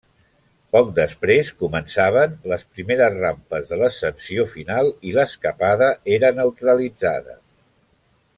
Poc després començaven les primeres rampes de l'ascensió final i l'escapada era neutralitzada.